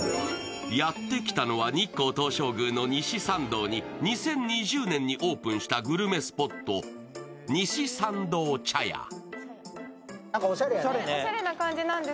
やってきたのは、日光東照宮の西参道に２０２０年にオープンしたグルメスポット、西参道茶屋。